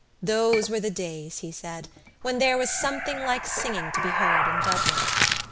Those were the days, he said, when there was something like singing to be heard in Dublin.